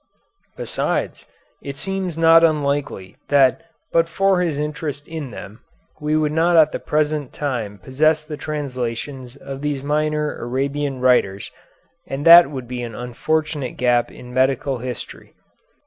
Besides, it seems not unlikely that but for his interest in them we would not at the present time possess the translations of these minor Arabian writers, and that would be an unfortunate gap in medical history.